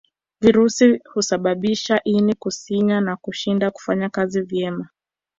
Virusi husababisha ini kusinyaa na kushindwa kufanya kazi vyema